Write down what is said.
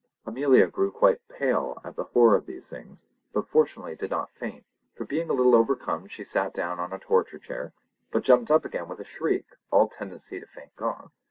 Amelia grew quite pale with the horror of the things, but fortunately did not faint, for being a little overcome she sat down on a torture chair, but jumped up again with a shriek, all tendency to faint gone.